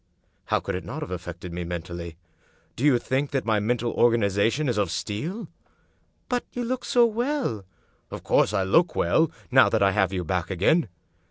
"" How could it not have affected me mentally? Do you think that my mental organization is of steel?" " But you look so well." " Of course I look well, now that I have you back again.